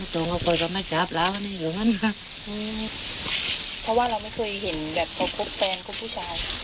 ตรงกับคนก็ไม่จับแล้วอันนี้อยู่นั่นค่ะเพราะว่าเราไม่เคยเห็นแบบเกิดคุกแฟนคุกผู้ชาย